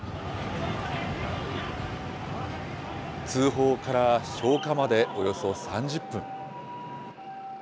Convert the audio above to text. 通報から消火までおよそ３０分。